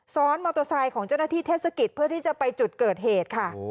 ซ้อนมอเตอร์ไซค์ของเจ้าหน้าที่เทศกิจเพื่อที่จะไปจุดเกิดเหตุค่ะ